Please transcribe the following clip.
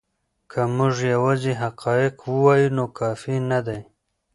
که موږ یوازې حقایق ووایو نو کافی نه دی.